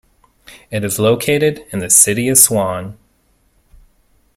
It is located in the City of Swan.